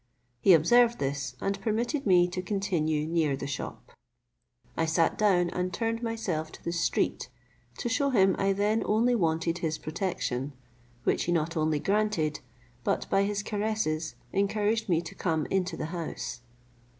He observed this, and permitted me to continue near the shop. I sat down and turned myself to the street, to shew him I then only wanted his protection; which he not only granted, but by his caresses encouraged me to come into the house.